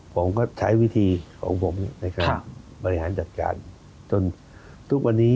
ผมก็ใช้วิธีของผมในการบริหารจัดการ